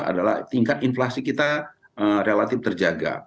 adalah tingkat inflasi kita relatif terjaga